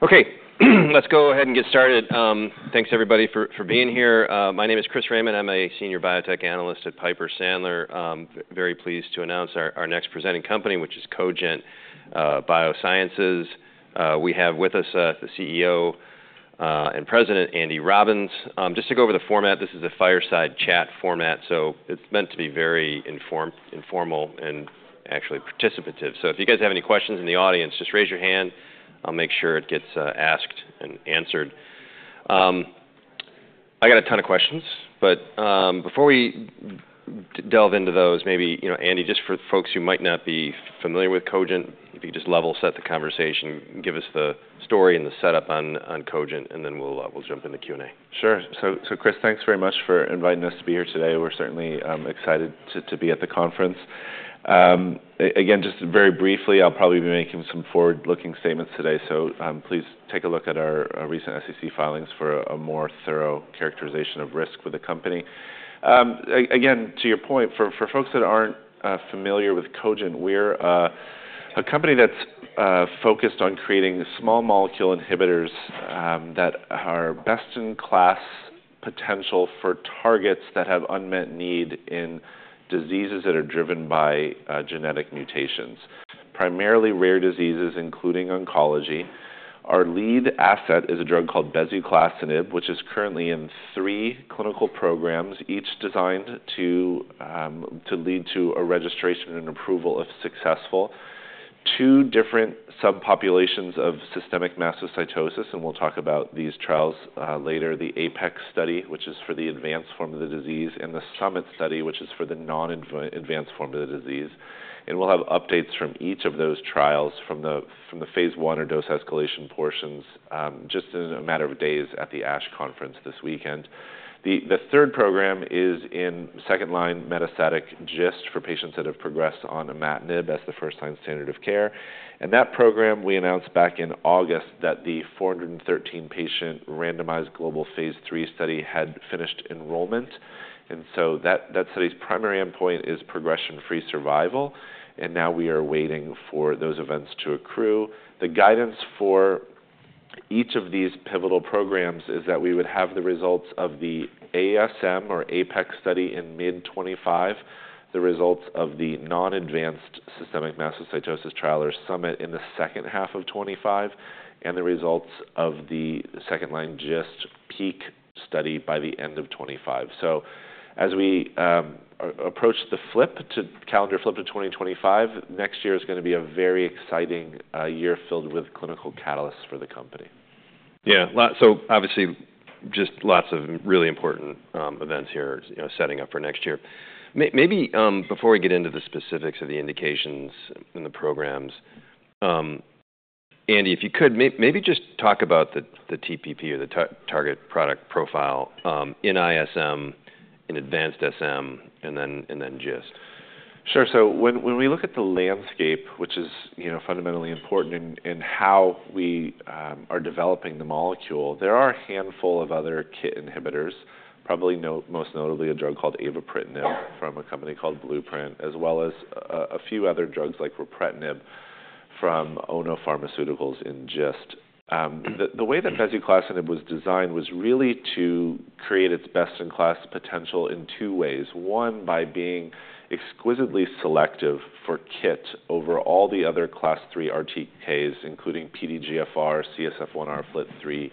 Okay, let's go ahead and get started. Thanks, everybody, for being here. My name is Chris Raymond. I'm a senior biotech analyst at Piper Sandler. Very pleased to announce our next presenting company, which is Cogent Biosciences. We have with us the CEO and President, Andy Robbins. Just to go over the format, this is a fireside chat format, so it's meant to be very informal and actually participative. So if you guys have any questions in the audience, just raise your hand. I'll make sure it gets asked and answered. I got a ton of questions, but before we delve into those, maybe, Andy, just for folks who might not be familiar with Cogent, if you could just level set the conversation, give us the story and the setup on Cogent, and then we'll jump into Q&A. Sure. So Chris, thanks very much for inviting us to be here today. We're certainly excited to be at the conference. Again, just very briefly, I'll probably be making some forward-looking statements today, so please take a look at our recent SEC filings for a more thorough characterization of risk with the company. Again, to your point, for folks that aren't familiar with Cogent, we're a company that's focused on creating small molecule inhibitors that are best-in-class potential for targets that have unmet need in diseases that are driven by genetic mutations. Primarily rare diseases, including oncology. Our lead asset is a drug called Bezuclastinib, which is currently in three clinical programs, each designed to lead to a registration and approval if successful. Two different subpopulations of systemic mastocytosis, and we'll talk about these trials later, the APEX study, which is for the advanced form of the disease, and the SUMMIT study, which is for the non-advanced form of the disease. And we'll have updates from each of those trials from the phase one or dose escalation portions just in a matter of days at the ASH conference this weekend. The third program is in second-line metastatic GIST for patients that have progressed on imatinib as the first-line standard of care. And that program, we announced back in August that the 413-patient randomized global phase three study had finished enrollment. And so that study's primary endpoint is progression-free survival, and now we are waiting for those events to accrue. The guidance for each of these pivotal programs is that we would have the results of the ASM or APEX study in mid-2025, the results of the non-advanced systemic mastocytosis trial or SUMMIT in the second half of 2025, and the results of the second-line GIST PEAK study by the end of 2025. So as we approach the calendar flip to 2025, next year is going to be a very exciting year filled with clinical catalysts for the company. Yeah, so obviously just lots of really important events here setting up for next year. Maybe before we get into the specifics of the indications and the programs, Andy, if you could, maybe just talk about the TPP or the target product profile in ISM, in advanced SM, and then GIST. Sure. So when we look at the landscape, which is fundamentally important in how we are developing the molecule, there are a handful of other KIT inhibitors, probably most notably a drug called Avapritinib from a company called Blueprint, as well as a few other drugs like Ripretinib from Ono Pharmaceutical in GIST. The way that Bezuclastinib was designed was really to create its best-in-class potential in two ways. One, by being exquisitely selective for KIT over all the other class three RTKs, including PDGFR, CSF1R, FLT3,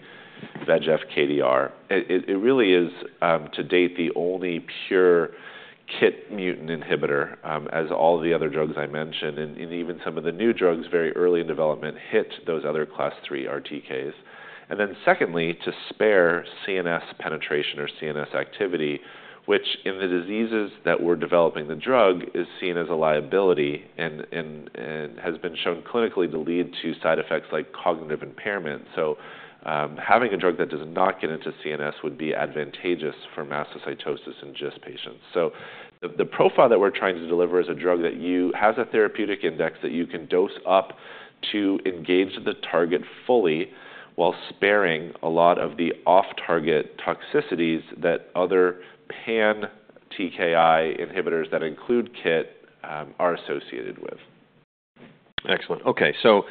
VEGF, KDR. It really is, to date, the only pure KIT mutant inhibitor, as all the other drugs I mentioned, and even some of the new drugs very early in development hit those other class three RTKs. And then secondly, to spare CNS penetration or CNS activity, which in the diseases that we're developing the drug is seen as a liability and has been shown clinically to lead to side effects like cognitive impairment. So having a drug that does not get into CNS would be advantageous for mastocytosis and GIST patients. So the profile that we're trying to deliver is a drug that has a therapeutic index that you can dose up to engage the target fully while sparing a lot of the off-target toxicities that other pan-TKI inhibitors that include KIT are associated with. Excellent. Okay, so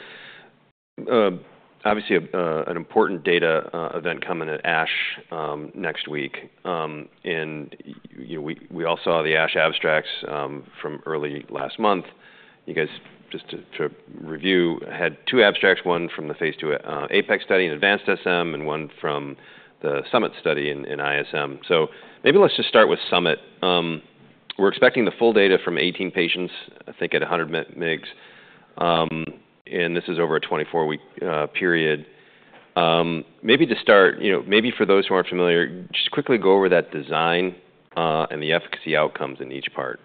obviously an important data event coming at ASH next week, and we all saw the ASH abstracts from early last month. You guys, just to review, had two abstracts, one from the phase two APEX study in advanced SM and one from the SUMMIT study in ISM, so maybe let's just start with SUMMIT. We're expecting the full data from 18 patients, I think at 100 mg, and this is over a 24-week period. Maybe to start, maybe for those who aren't familiar, just quickly go over that design and the efficacy outcomes in each part.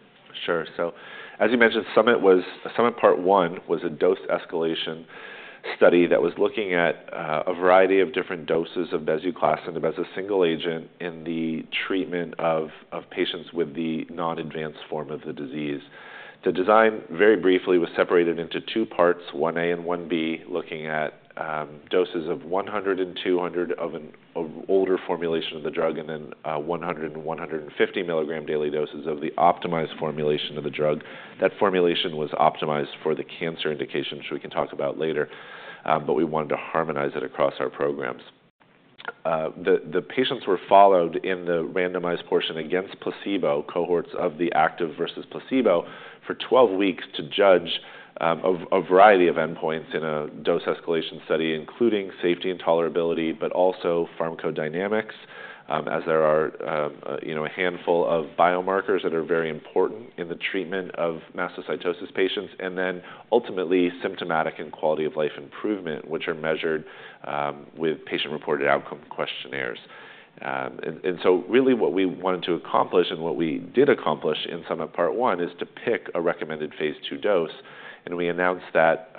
Sure. So as you mentioned, SUMMIT Part 1 was a dose escalation study that was looking at a variety of different doses of Bezuclastinib as a single agent in the treatment of patients with the non-advanced form of the disease. The design, very briefly, was separated into two parts, 1A and 1B, looking at doses of 100 and 200 of an older formulation of the drug and then 100 and 150 milligram daily doses of the optimized formulation of the drug. That formulation was optimized for the cancer indication, which we can talk about later, but we wanted to harmonize it across our programs. The patients were followed in the randomized portion against placebo cohorts of the active versus placebo for 12 weeks to judge a variety of endpoints in a dose escalation study, including safety and tolerability, but also pharmacodynamics, as there are a handful of biomarkers that are very important in the treatment of mastocytosis patients, and then ultimately symptomatic and quality of life improvement, which are measured with patient-reported outcome questionnaires, and so really what we wanted to accomplish and what we did accomplish in SUMMIT Part 1 is to pick a recommended phase two dose, and we announced that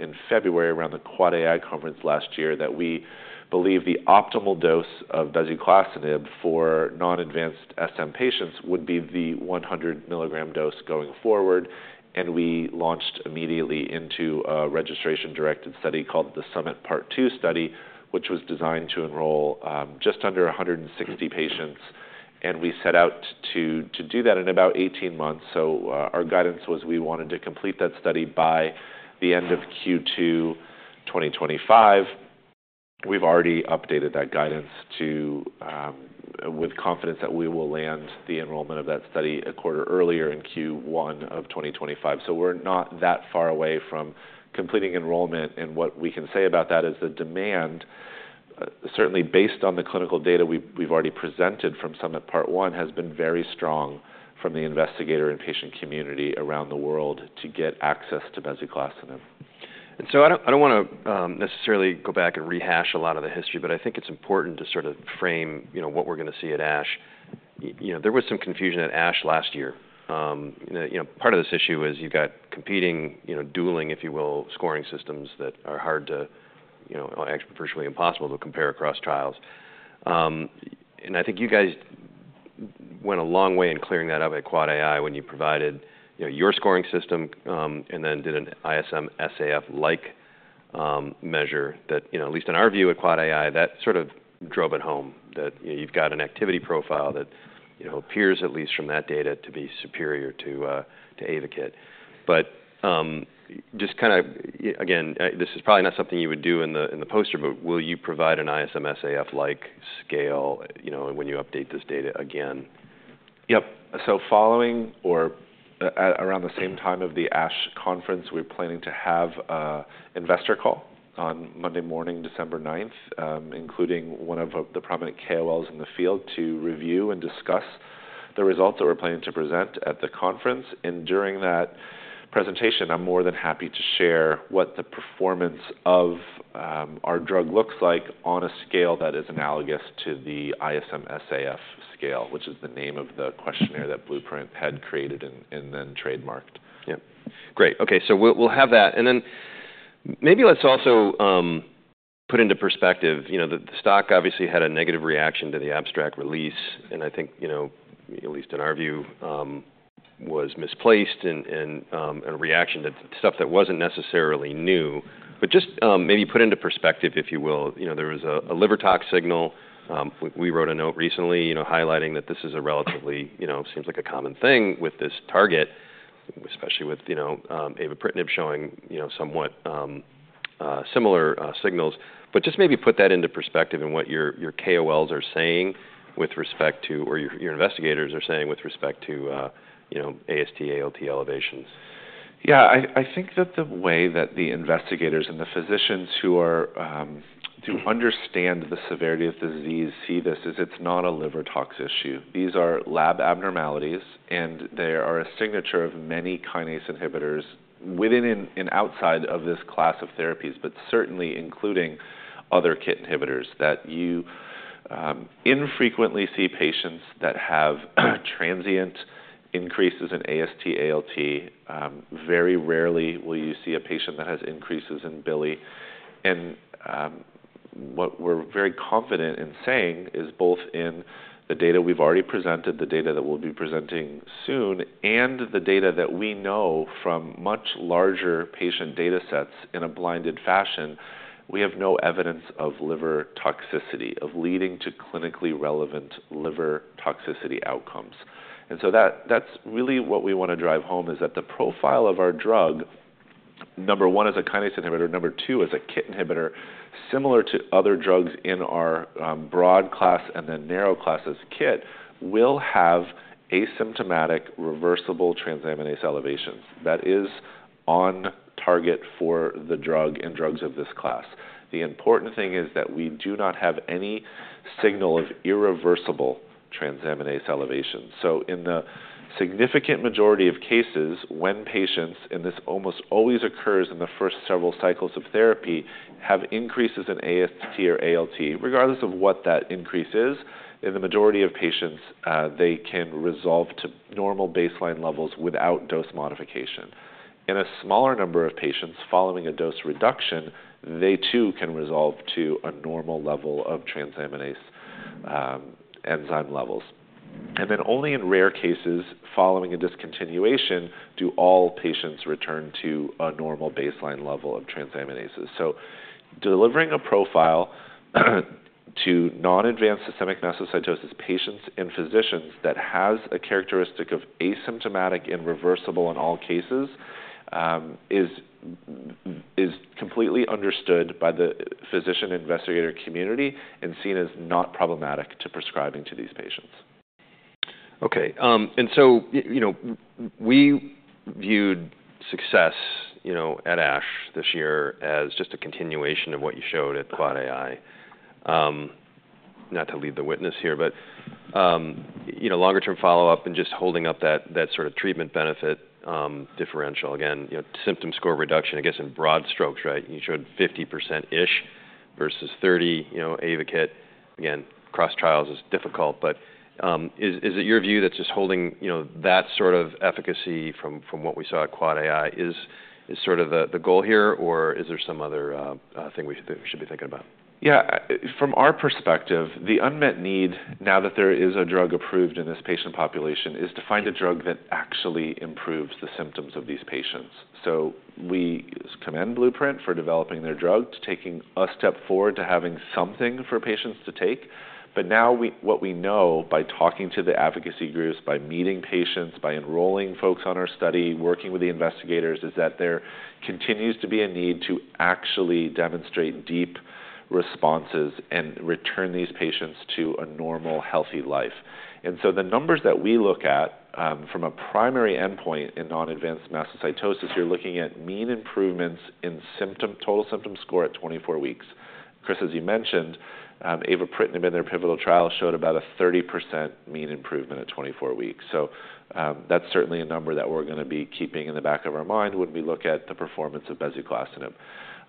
in February around the Quad AI conference last year that we believe the optimal dose of Bezuclastinib for non-advanced SM patients would be the 100 milligram dose going forward. And we launched immediately into a registration-directed study called the SUMMIT Part 2 study, which was designed to enroll just under 160 patients. And we set out to do that in about 18 months. So our guidance was we wanted to complete that study by the end of Q2 2025. We've already updated that guidance with confidence that we will land the enrollment of that study a quarter earlier in Q1 of 2025. So we're not that far away from completing enrollment. And what we can say about that is the demand, certainly based on the clinical data we've already presented from SUMMIT Part 1, has been very strong from the investigator and patient community around the world to get access to Bezuclastinib. So I don't want to necessarily go back and rehash a lot of the history, but I think it's important to sort of frame what we're going to see at ASH. There was some confusion at ASH last year. Part of this issue is you've got competing, dueling, if you will, scoring systems that are hard to, virtually impossible to compare across trials. I think you guys went a long way in clearing that up at AAAAI when you provided your scoring system and then did an ISM-SAF-like measure that, at least in our view at AAAAI, that sort of drove it home, that you've got an activity profile that appears, at least from that data, to be superior to Avapritinib. But just kind of, again, this is probably not something you would do in the poster, but will you provide an ISM-SAF-like scale when you update this data again? Yep. So following or around the same time of the ASH conference, we're planning to have an investor call on Monday morning, December 9th, including one of the prominent KOLs in the field to review and discuss the results that we're planning to present at the conference. And during that presentation, I'm more than happy to share what the performance of our drug looks like on a scale that is analogous to the ISM SAF scale, which is the name of the questionnaire that Blueprint had created and then trademarked. Yep. Great. Okay, so we'll have that. And then maybe let's also put into perspective the stock obviously had a negative reaction to the abstract release, and I think, at least in our view, was misplaced and a reaction to stuff that wasn't necessarily new. But just maybe put that into perspective and what your KOLs are saying with respect to, or your investigators are saying with respect to AST/ALT elevations. Yeah, I think that the way that the investigators and the physicians who understand the severity of the disease see this is it's not a liver tox issue. These are lab abnormalities, and they are a signature of many kinase inhibitors within and outside of this class of therapies, but certainly including other KIT inhibitors that you infrequently see patients that have transient increases in AST/ALT. Very rarely will you see a patient that has increases in bili. And what we're very confident in saying is both in the data we've already presented, the data that we'll be presenting soon, and the data that we know from much larger patient data sets in a blinded fashion, we have no evidence of liver toxicity leading to clinically relevant liver toxicity outcomes. And so that's really what we want to drive home is that the profile of our drug, number one as a kinase inhibitor, number two as a KIT inhibitor, similar to other drugs in our broad class and then narrow classes KIT, will have asymptomatic reversible transaminase elevations. That is on target for the drug and drugs of this class. The important thing is that we do not have any signal of irreversible transaminase elevations. So in the significant majority of cases when patients, and this almost always occurs in the first several cycles of therapy, have increases in AST or ALT, regardless of what that increase is, in the majority of patients, they can resolve to normal baseline levels without dose modification. In a smaller number of patients following a dose reduction, they too can resolve to a normal level of transaminase enzyme levels. And then only in rare cases following a discontinuation do all patients return to a normal baseline level of transaminases. So delivering a profile to non-advanced systemic mastocytosis patients and physicians that has a characteristic of asymptomatic and reversible in all cases is completely understood by the physician investigator community and seen as not problematic to prescribing to these patients. Okay. And so we viewed success at ASH this year as just a continuation of what you showed at Quad AI. Not to lead the witness here, but longer-term follow-up and just holding up that sort of treatment benefit differential. Again, symptom score reduction, I guess in broad strokes, right? You showed 50%-ish versus 30% Avapritinib. Again, cross-trials is difficult, but is it your view that just holding that sort of efficacy from what we saw at Quad AI is sort of the goal here, or is there some other thing we should be thinking about? Yeah, from our perspective, the unmet need now that there is a drug approved in this patient population is to find a drug that actually improves the symptoms of these patients. So we commend Blueprint for developing their drug, taking a step forward to having something for patients to take. But now what we know by talking to the advocacy groups, by meeting patients, by enrolling folks on our study, working with the investigators, is that there continues to be a need to actually demonstrate deep responses and return these patients to a normal healthy life. And so the numbers that we look at from a primary endpoint in non-advanced mastocytosis, you're looking at mean improvements in total symptom score at 24 weeks. Chris, as you mentioned, Avapritinib in their pivotal trial showed about a 30% mean improvement at 24 weeks. That's certainly a number that we're going to be keeping in the back of our mind when we look at the performance of Bezuclastinib.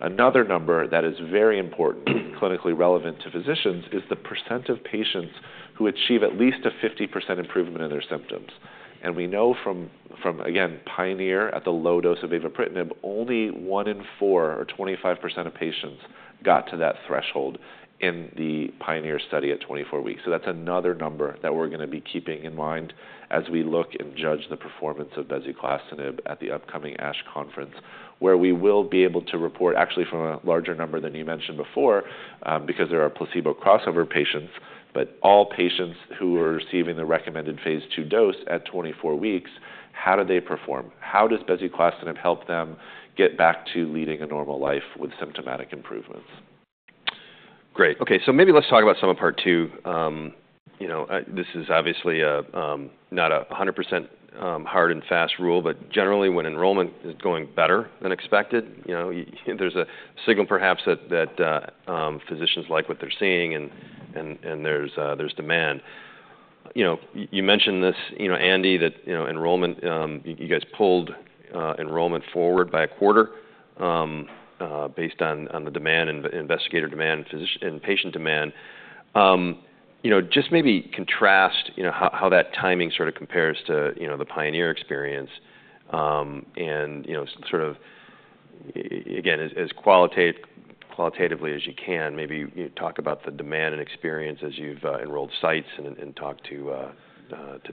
Another number that is very important, clinically relevant to physicians, is the percent of patients who achieve at least a 50% improvement in their symptoms. We know from, again, Pioneer at the low dose of Avapritinib, only one in four or 25% of patients got to that threshold in the Pioneer study at 24 weeks. That's another number that we're going to be keeping in mind as we look and judge the performance of Bezuclastinib at the upcoming ASH conference, where we will be able to report actually from a larger number than you mentioned before because there are placebo crossover patients, but all patients who are receiving the recommended phase two dose at 24 weeks, how do they perform? How does Bezuclastinib help them get back to leading a normal life with symptomatic improvements? Great. Okay, so maybe let's talk about SUMMIT part two. This is obviously not a 100% hard and fast rule, but generally when enrollment is going better than expected, there's a signal perhaps that physicians like what they're seeing and there's demand. You mentioned this, Andy, that enrollment, you guys pulled enrollment forward by a quarter based on the demand and investigator demand and patient demand. Just maybe contrast how that timing sort of compares to the Pioneer experience and sort of, again, as qualitatively as you can, maybe talk about the demand and experience as you've enrolled sites and talked to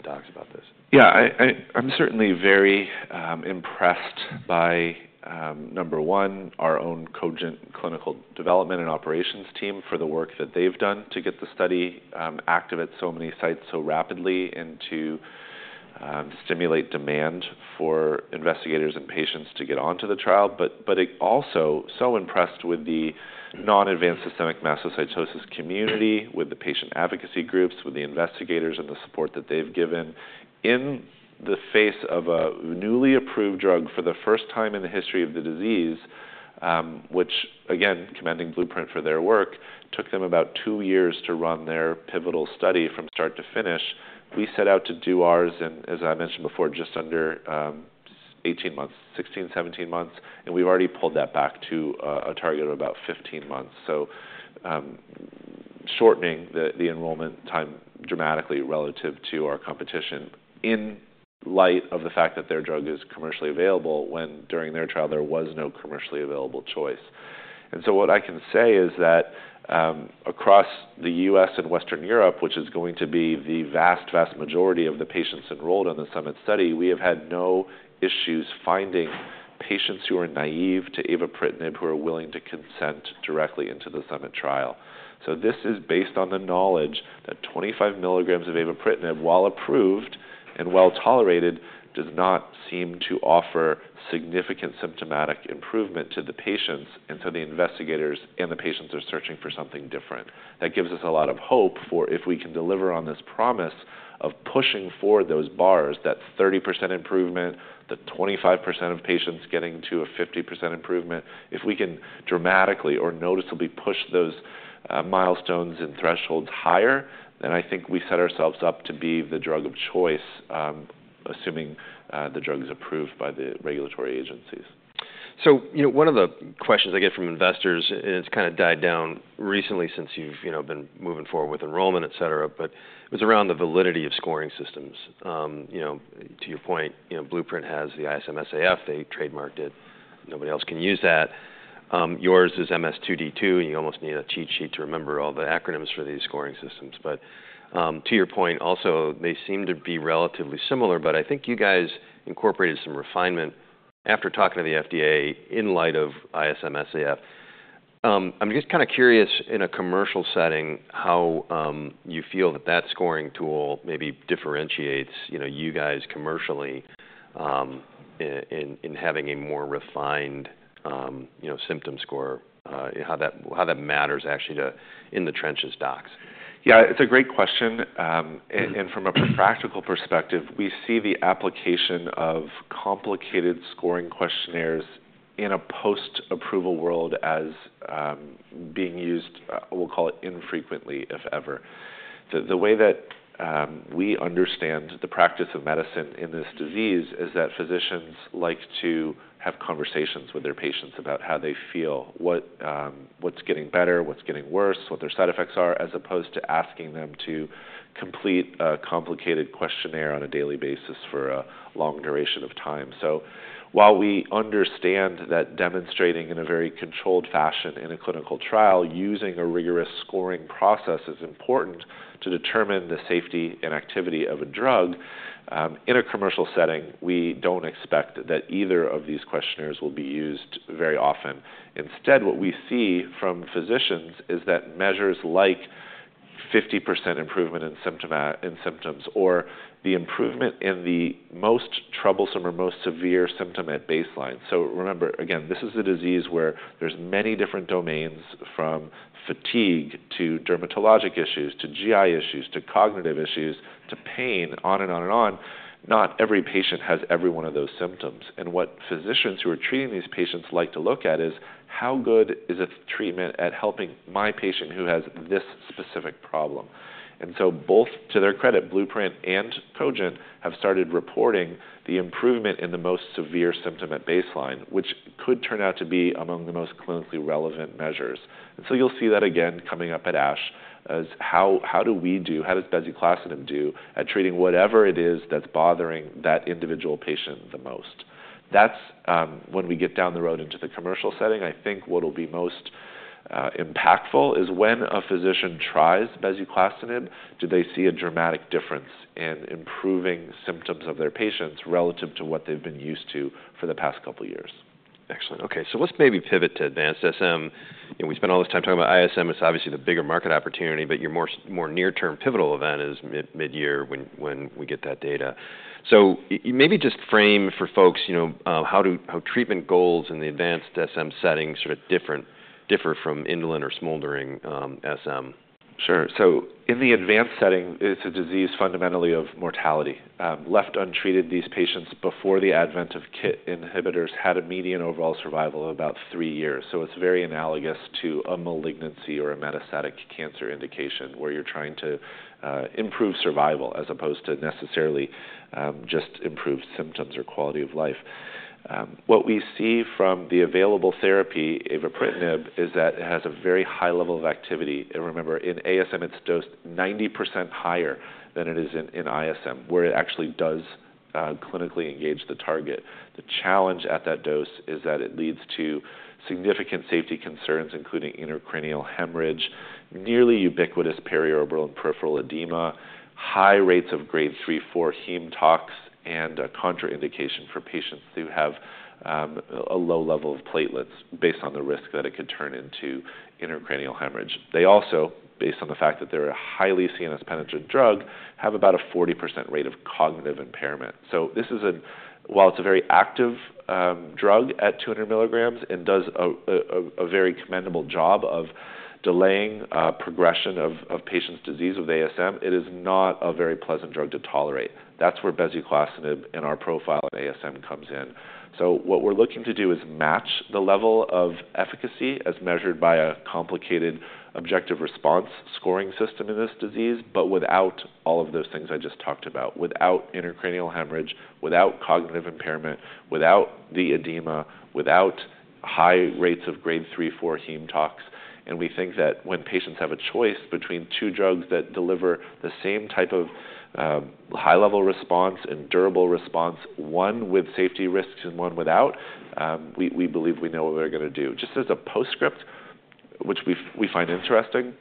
docs about this. Yeah, I'm certainly very impressed by, number one, our own Cogent Clinical Development and Operations team for the work that they've done to get the study active at so many sites so rapidly and to stimulate demand for investigators and patients to get onto the trial. But also so impressed with the non-advanced systemic mastocytosis community, with the patient advocacy groups, with the investigators and the support that they've given in the face of a newly approved drug for the first time in the history of the disease, which, again, commending Blueprint for their work, took them about two years to run their pivotal study from start to finish. We set out to do ours, and as I mentioned before, just under 18 months, 16, 17 months, and we've already pulled that back to a target of about 15 months. Shortening the enrollment time dramatically relative to our competition in light of the fact that their drug is commercially available when during their trial there was no commercially available choice. What I can say is that across the U.S. and Western Europe, which is going to be the vast, vast majority of the patients enrolled in the SUMMIT study, we have had no issues finding patients who are naive to Avapritinib who are willing to consent directly into the SUMMIT trial. This is based on the knowledge that 25 milligrams of Avapritinib, while approved and well tolerated, does not seem to offer significant symptomatic improvement to the patients. The investigators and the patients are searching for something different. That gives us a lot of hope for if we can deliver on this promise of pushing forward those bars, that 30% improvement, the 25% of patients getting to a 50% improvement. If we can dramatically or noticeably push those milestones and thresholds higher, then I think we set ourselves up to be the drug of choice, assuming the drug is approved by the regulatory agencies. One of the questions I get from investors, and it's kind of died down recently since you've been moving forward with enrollment, et cetera, but it was around the validity of scoring systems. To your point, Blueprint has the ISM SAF, they trademarked it, nobody else can use that. Yours is MS2D2, and you almost need a cheat sheet to remember all the acronyms for these scoring systems. But to your point, also they seem to be relatively similar, but I think you guys incorporated some refinement after talking to the FDA in light of ISM SAF. I'm just kind of curious in a commercial setting how you feel that that scoring tool maybe differentiates you guys commercially in having a more refined symptom score, how that matters actually in the trenches, docs. Yeah, it's a great question and from a practical perspective, we see the application of complicated scoring questionnaires in a post-approval world as being used, we'll call it infrequently, if ever. The way that we understand the practice of medicine in this disease is that physicians like to have conversations with their patients about how they feel, what's getting better, what's getting worse, what their side effects are, as opposed to asking them to complete a complicated questionnaire on a daily basis for a long duration of time, so while we understand that demonstrating in a very controlled fashion in a clinical trial using a rigorous scoring process is important to determine the safety and activity of a drug, in a commercial setting, we don't expect that either of these questionnaires will be used very often. Instead, what we see from physicians is that measures like 50% improvement in symptoms or the improvement in the most troublesome or most severe symptom at baseline, so remember, again, this is a disease where there's many different domains from fatigue to dermatologic issues to GI issues to cognitive issues to pain, on and on and on. Not every patient has every one of those symptoms, and what physicians who are treating these patients like to look at is how good is a treatment at helping my patient who has this specific problem, and so both to their credit, Blueprint and Cogent have started reporting the improvement in the most severe symptom at baseline, which could turn out to be among the most clinically relevant measures. And so you'll see that again coming up at ASH as how do we do, how does Bezuclastinib do at treating whatever it is that's bothering that individual patient the most. That's when we get down the road into the commercial setting. I think what will be most impactful is when a physician tries Bezuclastinib, do they see a dramatic difference in improving symptoms of their patients relative to what they've been used to for the past couple of years. Excellent. Okay, so let's maybe pivot to advanced SM. We spend all this time talking about ISM, it's obviously the bigger market opportunity, but your more near-term pivotal event is mid-year when we get that data. So maybe just frame for folks how treatment goals in the advanced SM setting sort of differ from indolent or smoldering SM. Sure. So in the advanced setting, it's a disease fundamentally of mortality. Left untreated, these patients before the advent of KIT inhibitors had a median overall survival of about three years. So it's very analogous to a malignancy or a metastatic cancer indication where you're trying to improve survival as opposed to necessarily just improved symptoms or quality of life. What we see from the available therapy, Avapritinib, is that it has a very high level of activity. And remember, in ASM, it's dosed 90% higher than it is in ISM, where it actually does clinically engage the target. The challenge at that dose is that it leads to significant safety concerns, including intracranial hemorrhage, nearly ubiquitous periorbital and peripheral edema, high rates of grade 3, 4 heme tox, and a contraindication for patients who have a low level of platelets based on the risk that it could turn into intracranial hemorrhage. They also, based on the fact that they're a highly CNS penetrant drug, have about a 40% rate of cognitive impairment. So this is a, while it's a very active drug at 200 milligrams and does a very commendable job of delaying progression of patients' disease with ASM, it is not a very pleasant drug to tolerate. That's where Bezuclastinib in our profile at ASM comes in. So what we're looking to do is match the level of efficacy as measured by a complicated objective response scoring system in this disease, but without all of those things I just talked about, without intracranial hemorrhage, without cognitive impairment, without the edema, without high rates of grade three-four heme tox. And we think that when patients have a choice between two drugs that deliver the same type of high-level response and durable response, one with safety risks and one without, we believe we know what we're going to do. Just as a postscript, which we find interesting,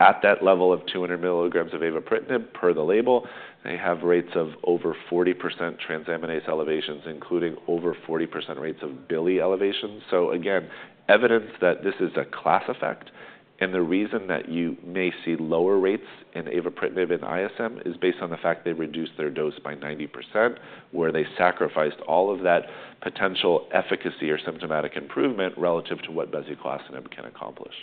at that level of 200 milligrams of Avapritinib per the label, they have rates of over 40% transaminase elevations, including over 40% rates of bilirubin elevations. So again, evidence that this is a class effect. The reason that you may see lower rates in Avapritinib in ISM is based on the fact they reduced their dose by 90%, where they sacrificed all of that potential efficacy or symptomatic improvement relative to what Bezuclastinib can accomplish.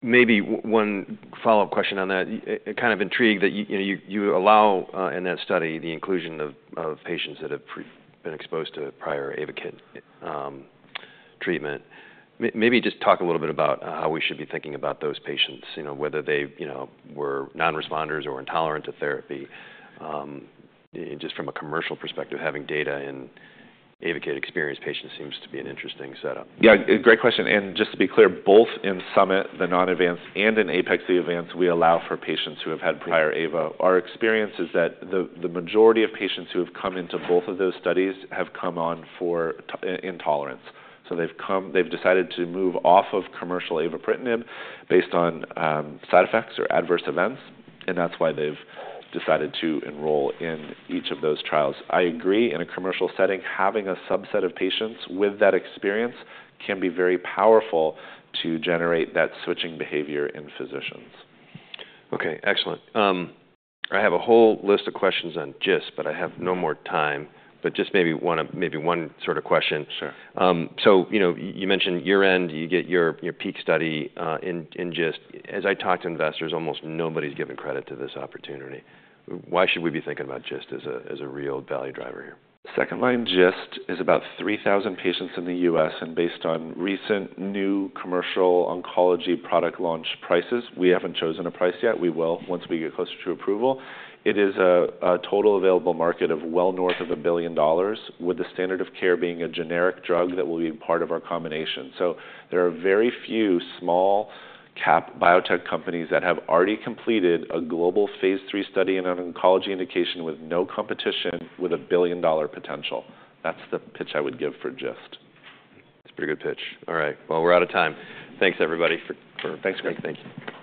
Maybe one follow-up question on that, kind of intrigued that you allow in that study the inclusion of patients that have been exposed to prior Avapritinib treatment. Maybe just talk a little bit about how we should be thinking about those patients, whether they were non-responders or intolerant to therapy. Just from a commercial perspective, having data in Avapritinib experienced patients seems to be an interesting setup. Yeah, great question. And just to be clear, both in SUMMIT, the non-advanced, and in APEX advanced, we allow for patients who have had prior Ava. Our experience is that the majority of patients who have come into both of those studies have come on for intolerance. So they've decided to move off of commercial Avapritinib based on side effects or adverse events, and that's why they've decided to enroll in each of those trials. I agree in a commercial setting, having a subset of patients with that experience can be very powerful to generate that switching behavior in physicians. Okay, excellent. I have a whole list of questions on GIST, but I have no more time, but just maybe one sort of question. Sure. So you mentioned year-end, you get your PEAK study in GIST. As I talk to investors, almost nobody's given credit to this opportunity. Why should we be thinking about GIST as a real value driver here? Second-line GIST is about 3,000 patients in the U.S., and based on recent new commercial oncology product launch prices, we haven't chosen a price yet. We will once we get closer to approval. It is a total available market of well north of $1 billion, with the standard of care being a generic drug that will be part of our combination. So there are very few small-cap biotech companies that have already completed a global phase three study in an oncology indication with no competition with a $1 billion potential. That's the pitch I would give for GIST. It's a pretty good pitch. All right, well, we're out of time. Thanks, everybody. Thanks, Greg. Thank you.